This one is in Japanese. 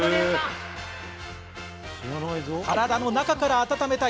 体の中から温めたい。